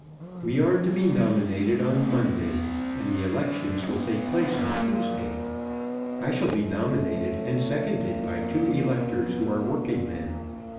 We are to be nominated on Monday, and the election will take place on Tuesday. I shall be nominated and seconded by two electors who are working men.